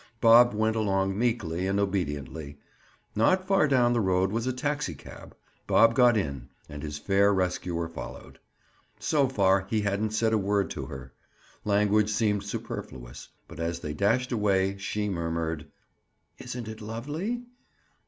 Bob went along meekly and obediently. Not far down the road was a taxicab. Bob got in and his fair rescuer followed. So far he hadn't said a word to her; language seemed superfluous. But as they dashed away, she murmured: "Isn't it lovely?"